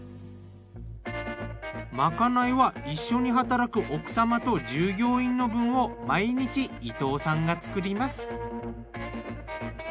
まかないは一緒に働く奥様と従業員の分を毎日伊東さんが作ります。